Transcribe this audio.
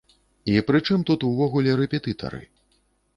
І пры чым тут увогуле рэпетытары?